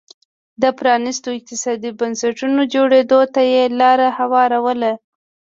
د پرانیستو اقتصادي بنسټونو جوړېدو ته یې لار هواروله